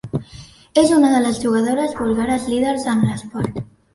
És una de les jugadores búlgares líders en l'esport.